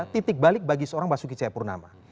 titik balik bagi seorang basuki caya purnama